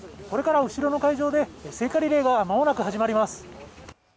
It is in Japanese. それから後ろの会場で聖火リレーがまもなく始まります